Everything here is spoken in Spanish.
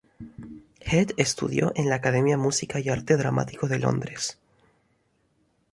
Head estudió en la Academia Música y Arte dramático de Londres.